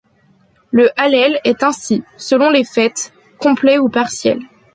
Le Hallel est ainsi, selon les fêtes, complet ou partiel.